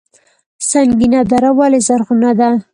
سنګین دره ولې زرغونه ده؟